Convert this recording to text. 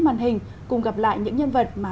màn hình cùng gặp lại những nhân vật mà